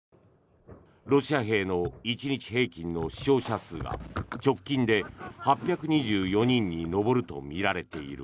ロシア兵の１日平均の死傷者数が直近で８２４人に上るとみられている。